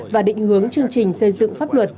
và định hướng chương trình xây dựng pháp luật